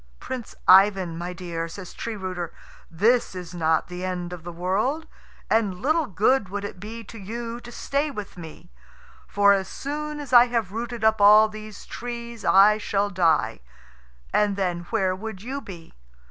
"Prince Ivan, my dear," says Tree rooter, "this is not the end of the world, and little good would it be to you to stay with me. For as soon as I have rooted up all these trees I shall die, and then where would you be?